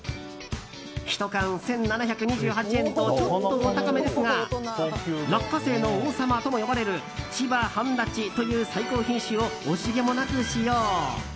１缶１７２８円とちょっとお高めですが落花生の王様とも呼ばれる千葉半立という最高品種を惜しげもなく使用。